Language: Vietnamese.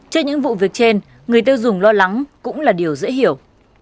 trước những vụ việc trên người tiêu dùng lo lắng cũng là điều dễ hiểu